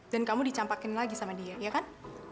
dan kamu dicampakin lagi sama dia iya kan